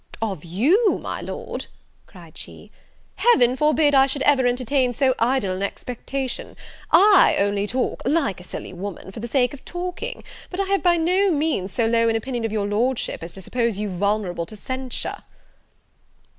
"Of you, my Lord," cried she, "Heaven forbid I should ever entertain so idle an expectation! I only talk, like a silly woman, for the sake of talking; but I have by no means so low an opinion of your Lordship, as to suppose you vulnerable to censure."